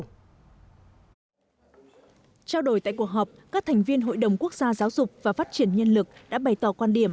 trao đổi tại cuộc họp các thành viên hội đồng quốc gia giáo dục và phát triển nhân lực đã bày tỏ quan điểm